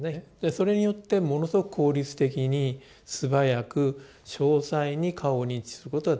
それによってものすごく効率的に素早く詳細に顔を認知することができると。